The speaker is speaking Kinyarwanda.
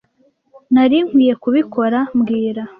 nari nkwiye kubikora mbwira